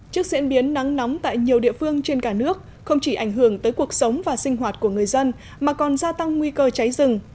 trước diễn biến nắng nóng tại nhiều địa phương trên cả nước không chỉ ảnh hưởng tới cuộc sống và sinh hoạt của người dân mà còn gia tăng nguy cơ cháy rừng